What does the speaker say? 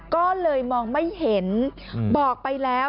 ก็เลยมองไม่เห็นบอกไปแล้ว